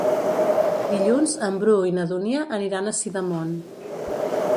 Dilluns en Bru i na Dúnia aniran a Sidamon.